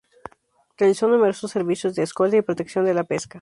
Realizó numerosos servicios de escolta y protección de la pesca.